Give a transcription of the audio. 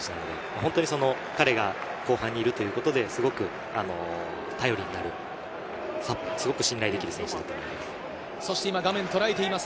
本当に彼が後輩にいるということですごく頼りになる、信頼できる選手だと思います。